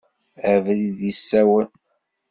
Abrid yessawen.